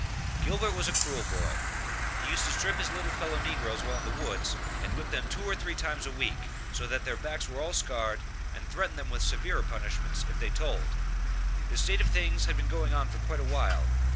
Gilbert was a cruel boy. He used to strip his little fellow negroes while in the woods, and whip them two or three times a week, so that their backs were all scarred, and threatened them with severer punishment if they told; this state of things had been going on for quite a while.